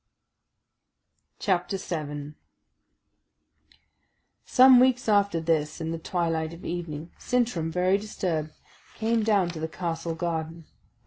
CHAPTER 7 Some weeks after this, in the twilight of evening, Sintram, very disturbed, came down to the castle garden.